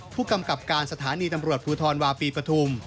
ผู้กำกับการสถานีตำรวจภูทรวาปีปฐุม